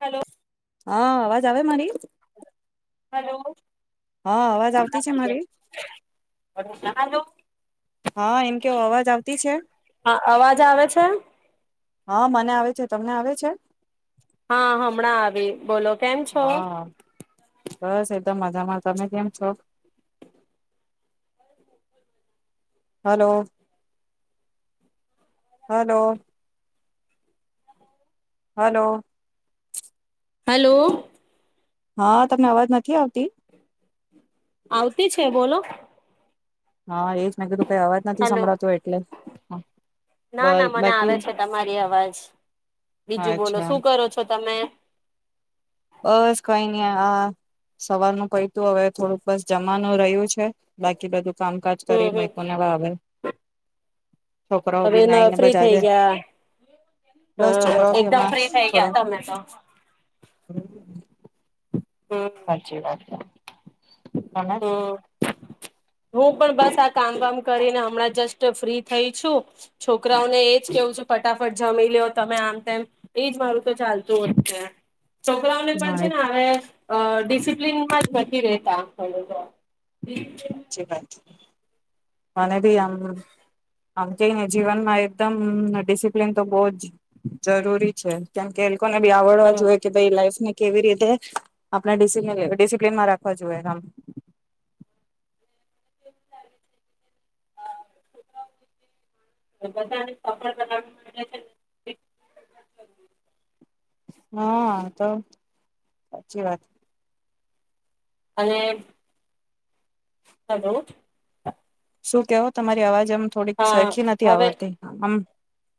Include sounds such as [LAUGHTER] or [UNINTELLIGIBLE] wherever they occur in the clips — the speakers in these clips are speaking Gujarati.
હલો હા અવાજ આવે મારી? હલો. હા અવાજ આવતી છે મારી? હા એમ કેવો અવાજ આવતી છે હ અવાજ આવે છે. હા મને આવે છે તમને આવે છે? હા હમણાં આવી બોલો કેમ છો? ધા મજામાં તમે કેમ છો? હલો. હલો. હલો. હલો. હા તમને અવાજ નથી આવતી. આવતી છે બોલો. હા એજ મેં કીધું કઈ અવાજ નથી હલો સંભળાતો એટલે હા, ના બા ના મને બાકી આવે છે તમારી અવાજ બીજું બોલો અચ્છા શું કરો છો તમે? બસ કઈ નઈ આ સવાર ન કઈ તું હવે થોડુંક બસ જમાનું રહ્યું છે બાકી બધું કામકાજ હમ કરી હમ મા કોનેવા આવે. હવે ફ્રી થઈ બજાજે ગયા બસ હ છોકરાઓ બી એકદમ હમણાં ફ્રી થઈ ગયા તમે તો. હમ. હમ સાચી વાત છે. હમ. હું પણ બસ આ કામ વાામ કરીને હમણાં જસ્ટ ફ્રી થઈ છું છોકરાઓને એજ કેવું છે ફટાફટ જમી લે તમે આમ તેમ એજ મારું તો ચાલતું હો જ છે. છોકરાઓને પણ હા છે ને હવે અ ડિસિપ્લિનમાં જ નથી રહેતા. હ હ. સાચી વાત. મને ભી આમ આમ કેને જીવનમાં એકદમ ડિસિપ્લીન તો બહ જ જરૂરી છે કેમકે ને બી તો આવડવા જોઈએ કે ભઈ લાઈફ કેવી રીતે આપણે ડિસિપ્લીનમાં રાખવા જોએ એમ. [UNINTELLIGIBLE] હા તો સાચી વાત. અને હલો. શું કેવો તમારી અવાજ જેમ થોડીક હા સરખી નથી હવે આવડતી આમ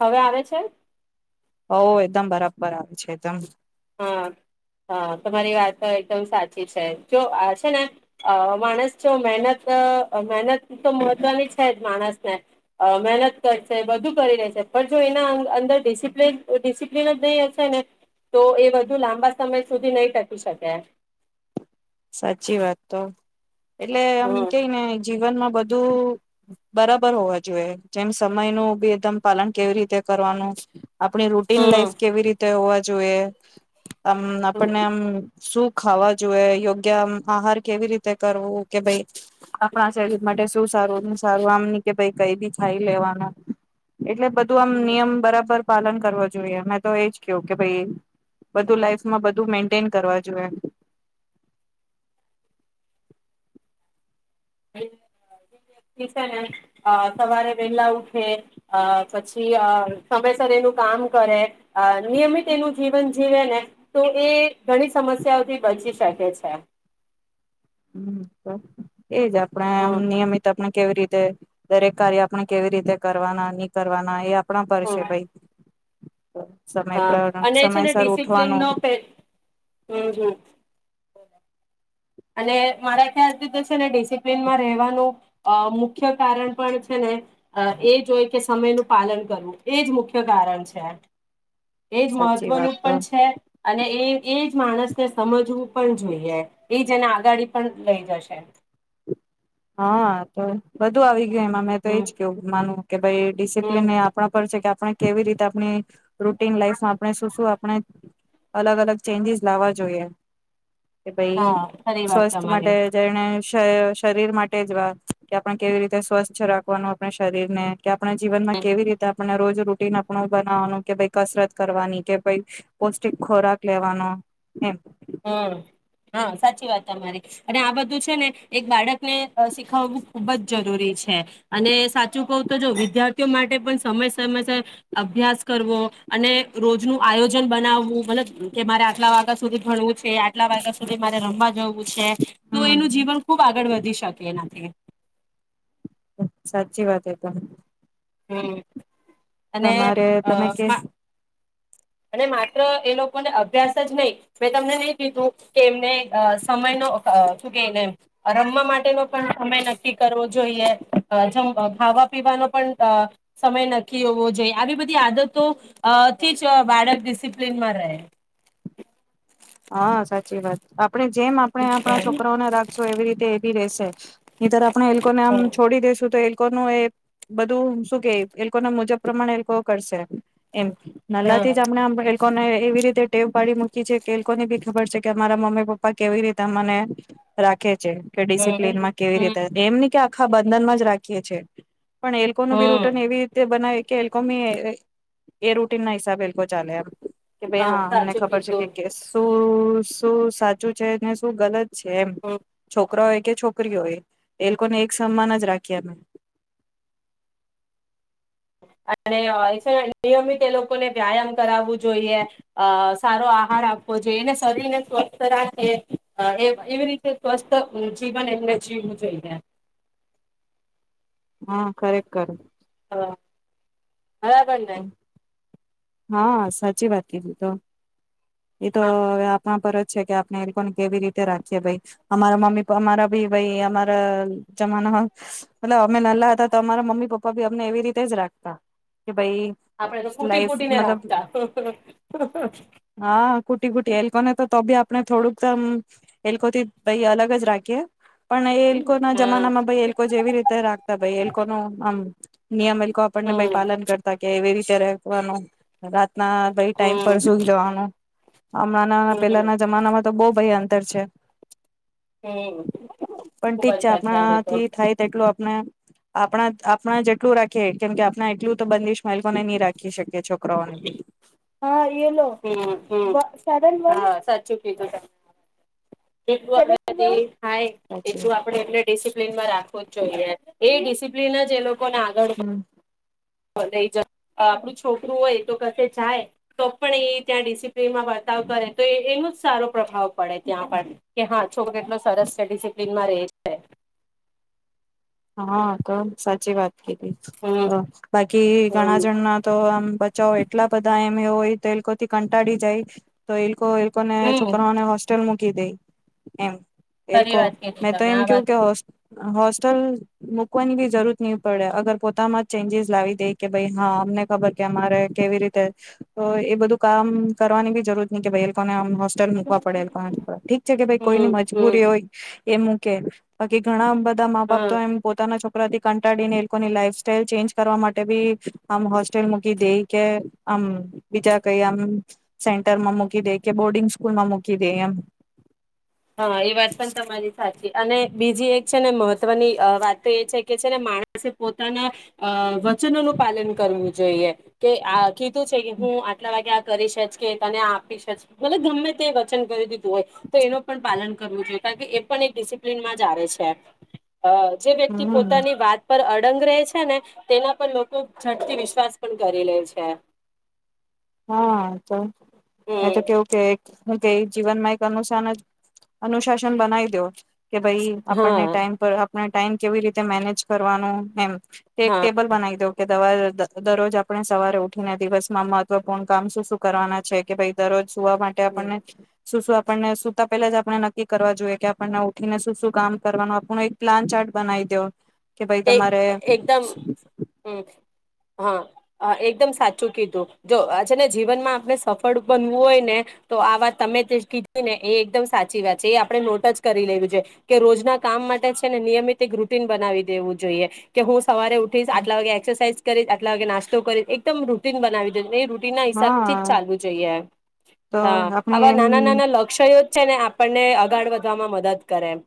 હવે આવે છે ઓ એકદમ બરાબર આવે છે એકદમ હા હ તમારી વાત એકદમ સાચી છે જો હ છે ને માણસ જો મહેનત મહેનત તો મહત્વની છે જ માણસને મહેનત કરશે બધું કરી લેશે પણ જો એના અંદર ડિસિપ્ન ડિસિપ્લિન જ નહીં હશે ને તો એ વધુ લાંબા સમય સુધી નહી ટકી શકે. સાચી વાત તો એટલે એમ હમ કેઈ ને જીવનમાં બધું બું બરાબર હોવા જોઈએ જેમ સમય નો બીદમ પાલન કેવી રીતે કરવાનું આપણી રૂટીન હમ લાઈફ કેવી રીતે હો જોઈએ. આમ આપણને હમ આમ સુપ ખાવા જોઈએ યોગ્ય કે આમ આહાર કેવી રીતે કરવું કે ભાઈ આપણા શરીર માટે શું સારું સારું આમ ન કે ભ કઈ બી ખાઈ લેવાનું. એટલે બધું આમ નિયમ બરાબર પાલન કરવા જોઈએ મેં તો એજ ક કે ભાઈ બધું લાઈફમાં બધું મેન્ટેન કરવા જોઈએ. જે વ્યક્તિ છે ને સવારે વેલા ઉઠે અ પછી સમયસર એનું કામ કરે નિયમિત એનું જીવન જીવે ને તો એ ઘણી સમસ્યાઓથી બચી શકે છે. હમ સર. એજ આપણેેમ હમ નિયમિત આપણે કેવી રીતે. દરેક કાર્ય આપ કેવી રીતે કરવાના નહી કરવાના એ આપણા પર છે હમ ભાઈ સમય હા પર અને એ છે ને સમયસર ઉઠવાનું ડિસિપ્લનનો પે હમ હમ્ અને મારા ખ્યાલથી તો છે ને ડિસિપ્લીનમાં રહેવાનું મુખ્ય કારણ પણ છે ને એ જો હોય કે સમયનું પાલન કરવું એ જ મુખ્ય કારણ છે. એજ સાચી વાત મહત્વનું તો પણ છે અને એ એજ માણસને સમજવું પણ જોઈએ. એ જને આગાડી પણ લઈ જશે એ. હા તો બધુ આવી ગયું. એમાં મેં તો હમ એજ કેવું માનું કે ભાઈ ડિસિપ્લન હમ એ આપણા પર છે કે આપણે કેવી રીતે આપણી રૂટીન લાઈફમાં આપણે શું શું આપણે અલગ અલગ ચેન્જીસ લાવવા જોઈએ. કે ભાઈ હા ખરી વાત સ્વસ્થ તમારી માટે જઈને શરીર માટે જ વાર કે આપણે કેવી રીતે સ્વસ્છ રાખવાનું આપણે શરીર ને કે આપણે જીવનમાં કેવી રીતે આપણે રોજ રૂટીન આપણું બનાવાનું કે ભ કસરત કરવાની કે ભ પૌષ્ટિક ખોરાક લેવાનો એમ હમ હા સાચી વાત તમારી અને આ બધું છે ને એક બાળકને શીખાવવું ખુબ જ જરૂરી છે અને સાચું કવ તો જો વિદ્યાર્થીઓ માટે પણ સમય સમય અભ્યાસ કરવો અને રોજનું આયોજન બનાવવું મતલબ કે મારે આટલા વાગ્યા સુધી ભણવું છે આટલા વાગ્યા સુધી મારે રમવા જવું છે. તો એનું હમ જીવન ખુબ આગળ વધી શકે એનાથી સાચી વાત એ ત હમ અને તમારે અ તમે કે અને માત્ર એ લોકોને અભ્યાસ જ નહી મેં તમને નહી કીધું કે એમને સમય ન શું કહીને એમ રમવા માટેનો પણ સમય નક્કી કરવો જોઈએમ ખાવા પીવાનો પણ સમય નક્કી હોવો જોઈએ આવી બધી આદતોથી જ બાળક ડિસિપ્લન માં રહે. હા સાચી વાત આપ આપણે જેમ આપણે આપણા છોકરાઓને રાખશો એવી રીતે એ બી રહશે નીતર આપણે એલોકોને આમ છોડી દેેશું તો ન એ બધું શું કે એ લોકો ના મુજબ પ્રમાણ એ લોકો કરશે. એમ નલા થી હા જ આપણેને એવી રીતે ટેવ પાડી મૂકી છે તેલ ની બી ખબર છે કે અમારા મમ્મી પપ્પા કેવી રીતે મને રાખે છે હમ ડિસિપ્લનમાં કેવી હમ રીતે એમ ક આખા બંધનમાં જ રાખીએ છીએ પણ એલ્કોનું બી હમ રૂટન એવી રીતે બનાવે કે એલ્કોમી એ રૂટીન ના હિસાબ બલ ચાલે એમ કે ભાઈ હા અમને સાચું ક ખબર દોર છે કે શું શું સાચું છે શું ગલત છે એમ હમ છો છોક હોય કે છોકરી હોય એ લોકોને એક સન્માન જ રાખ્યા અને નિયમિત એ લોકોને વ્યાયામ કરાવવું જોઈએ અ સારો આહાર આપવો જોઈએને શરીરને સ્વસ્થ રાખે એ એવી રીતે સ્વસ્થ જીવન એમને જીવવું જોઈએ હા કરેક કરે હા બરાબર જાઈ હા સાચી વાત કીધી તો એ તો હા પરત છે કે આપને એ લોકોને કેવી રીતે રાખીએ અમારા મમ્મી પપ અમારા ભી અમારા જમાના મ અમે નલા હતા તો અમારા મમ્મી પપ્પા ભી અમને એવી રીતે જ રાખતા કે ભાઈ આપડે તો કૂટી લાઈફ કૂટીને મતલબ રાખતા હા હા કુટી કુટી હલ કોને તો તોી આપ આપણે થોડુંકમ એ લોકોથી ભ અલગ જ રાખીએ પણ એ લોકો ના જમાનામાં ભ એ લોકો જેવી રીતે રાખતા એ લોકો ન આમ નિયમ એ આપણને હમ પાલન કરતા વિચવાનું રા ભાઈ ટાઈમ પર હમ સુું જવાનું હમણાં હમ પેલાના જમાનામાં તો બઉ ભય ઉતર છે હમ પણ ઠીક ખૂબંદ છે આવે તો આપણાથી થાય તેટલું આપણા આપણા જ જેટલું રાખીએ કેમ કે આપણા એટલું તો બંધશ માને નહી રાખી શકે છોકરાઓને બી કાર સા હા એું સાચી આપડે એડ ડિસપ્લનમાં રાખવું જ જોઈએ એ ડિસિપ્લન કોને આગળ હમ જ આપણું છોકરું હોય તો કસે જાય તો પણ એ ત્યાં ડિસિપ્લિનમાં વર્તાવ કરે તો એનો જ સારો પ્રભાવ પડે ત્યાં પર કે હા છોક કેટલો સરસ છે ડિસિપ્લીિનમાં રહેશે હા તો સાચી વાત હમ તો બાકી ઘણા હમ જણના તો આમ બચાવો એટલા બધા એ હોય તો એ લોકોથી કંટાળ જાય તો એ લોકો ને હમ છોકરાને હોસ્ટેલ કી દઈ એમ એલ ખરી વાત કીધી મે તો તમે એમ આ કેવું વાત કે હોસ્ટેલ મુૂકવાની બી જરૂરત નહી પડે અગર પોતામાં ચેન્જીસ લાવી દે કે ભાઈ હા અમને ખબર કે અમારે કેવી રીતે એ બધું કામ કરવાની બી જરૂરત નહી કે ભાઈ એ લોકોનેમ મકવા પડેલ ઠીક છે કે ભાઈ હમ કોઈની હમ મજબૂરી હોય એમું કે બાકી ઘણા બધા હા તો એમ પોતાના છ થી કંટાળી ને એ લોકોની લાઈફ સાઈલ ચેન્જ કરવા માટે ભી આમ હોસ્ટેલ મૂકી દે કે આમ બીજા કઈ આમ સેન્ટરમાં મૂકી દે કે બોર્ડિંગ સ્કૂલમાં મૂકી દે એમ હા એ વાત પણ તમારી સાચી અને બીજી એક છે ને મહત્વની વાત તો એ છે કે છે ને માણસે પોતાના અ વચનોનુંું પાલન કરવું જોઈએ કે આ કીધું છે કે હું આટલા વાગે આ કરીશ કે તને આપી શ મ ગમે તે વચન કરી્યું દીધું હોય તો એનો પાલન કરવું જોઈએ કારણ કે એ પણ એક ડિસિપ્લિન માં જ છે અ જે વ્યક્તિ હમ પોતાની વાત પર ંગ રહે છે ને તેના પર લોકો ઝડથી વિશ્વાસ પણ કરી લે છે હા તો એ તો હમ કેવું કે હું ક જીવનમાં એક અનુશાન અનુશાસન બનાવી દો કે ભાઈ આપણને હા ટાઈમ પર ટાઈમ કેવી રીતે મેનેજ કરવાનું એમ એક હા ટેબલ બનાવી દવ કે દવા દરરોજ આપણે સવારે ઉઠીને દિવસમાં મત મહત્વપૂર્ણ કામ શું શું કરવાના છે કે ભાઈ દરરોજ વા માટે હમ આપણને શું શું આપ આપણને શુંતા પહેલા જ આપણે નક્કી કરવા જોઈએ કે આપણને ઉઠીને શું શું કામ કરવાનું આપણું એક પ્લાન ચાર્ટ બનાવી દવ તે એકદમ હમ. હા એકદમ સાચું કીધું જો આ છેે ને જીવનમાં આપણે સફળ બનવું હોય ને તો આ વાત તમે જે કીધી ને એ એકદમ સાચી વાત છે એ આપણે નોટ જ કરી લેવી છે કે રોજના કામ માટે છે ને નિયમિત એક રૂટીન બનાવી દેવું જોઈએ કે હું સવારે ઉઠીસ આટલા વાગે એક્સસાઇઝ કરી આટલા વાગે નાસ્તો કરી એકદમ રૂટીન બનાવી દ ના હિસાબથી જ હા ચાલવું જોઈએ તો હ આપણી આવા એમ નાના નાના લક્ષ્યો છે ને આપણને આગાળ વધવામાં મદદ કરે એમ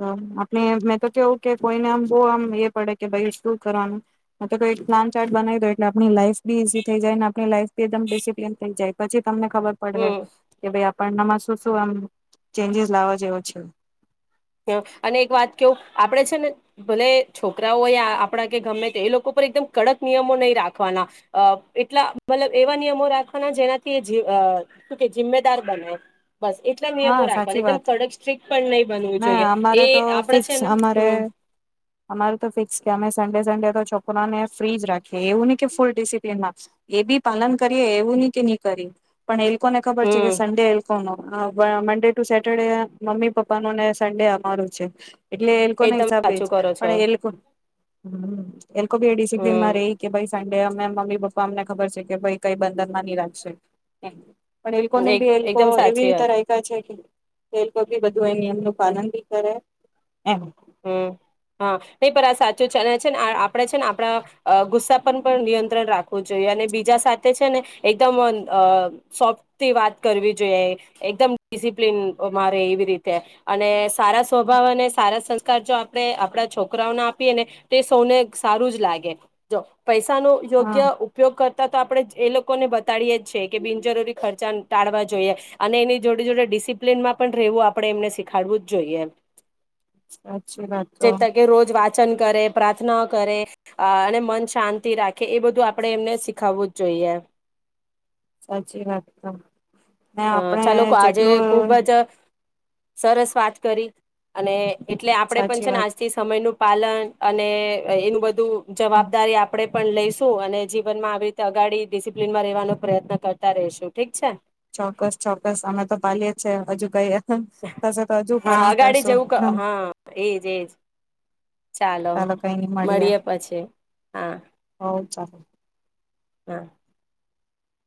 તો આપણે મેં તો કેવું કે કોઈને આમ બહ આમ એ પડે કે ભાઈ શું કરવાનું મે તો કઈ સ્નાન ચાર્ટ બનાવી દો એટલે આપણી લાઈફ બી ઝી થઈ જાયને આપણી લાઈફીમ ડિસિપ્લન થઈ જાય પછી તમને ખબર પડે હમ કે ભાઈ આપ પણમાં શું શું એમ ચેન્જીસ લાવો જેવો છે હ અને એક વાત કેવું આપણેે છે ને ભલે છોકરાઓ યા આપણા કે ગમે તે એ લોકો પર એકદમ કડક નિયમો નહીં રાખવાના એટલા મતલબ એવા નિયમો રાખવાના જેનાથી શુ કે જિમ્મેદાર બને બસ એટલા હા નિયમો રાખવાનું સાચી એકદમ વાત કડક સ્ટ્રિક્ટ પણ નહી બનવું ના જોઈએ અમારે તો એ આપડા ફિક્સ છે ને અમારે હમ અમારે તો ફિક્સ કે અમે સ સેટરડે સન્ડે તો છોકરાને ફ્રી જ રાખયે એવું ન કે ફૂલ ડિસિપ્લનમાં એ બી પાલન કરીએ એવું ની કે ની કરી પણ એ કોને ખબર છે કે હમ સડે એ લોકનો હા Monday to Saturday mummy papa નો ને સન્ડે અમારું છે એટલે એ લોકો ના એકદમ હિસાબે જ સાચું કરો છો પણ એ લોકો એ લોકો ભી એ ડિસિપ્લીનમાં રહી હમ કે સન એ અમે મમ્મી પપ્પા અમને ખબર છે કે ભાઈ કઈ બંદન માની રાખશે પણ એલકો ને એક બી એલકો એકદમ સાચી એવી ત વાત કાય છે કે તેલી બધું એ નિયમ નું પાલન ભી કરે એમ હમ હા નહી પણ આ સાચું છે અને છે ને આપણે છે ને આપણા ગુસ્સા પર પણ નિયંત્રણ રાખવું જોઈએ અને બીજા સાથે છે ને એકદમ અ સોફ્ટથી વાત કરવી જોઈએ એકદમ ડિસિપ્લિન મારે એવી રીતે અને સારા સ્વભાવ અને સારા સં, જો આપણે આપડા છોકરાઓને આપીએ ને તો તે સૌને સારું જ લાગે જો પૈસા ન હા યોગ્ય ઉપયોગ કર તો આપણેે એ લોકોને બતાડીએ જ છે કે બિનજરૂરી ખર્ચા ટાળવા જોઈએ અને એની જોડે જોડે ડિસિપ્લીનમાં પણ રહેવું આપડણે એમને શીખાડવું જ જોઈએ સાચી વાત તો પાચન કરે પ્રાર્થના કરે અને મન શાંતિ રાખે એ બધું આપણે એમને શીખાવવું જ જોઈએ સાચી વાત તો ને અ આપડે ચાલો આજે જેટલું ખુબ જ સરસ વાત કરી અને એટલે આપડે પણ સાચી છે ને વાત આજથી સમયનું પાલન અને એનું બધું જવાબદારી આપે પણ લઈશું અને જીવન માં આવી રીતે અગાડી ડિસિપ્લીનમાં રહેેવાનો પ્રયત્ન કરતા રે શું ઠીક છે ચોક્કસ ચોક્કસ અમે તો પાલીએી છે હજુ કાંઈ હા અગાડી જવું હા એજ એજ ચાલો મળીએ પછી હા [INAUDIBLE] હા